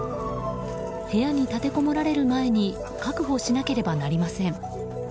部屋に立てこもられる前に確保しなければなりません。